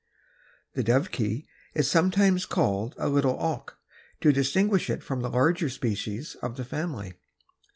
The Dovekie is sometimes called a little auk to distinguish it from the larger species of the family.